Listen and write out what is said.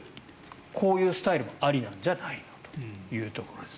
こういうスタイルもありなんじゃないのというところです。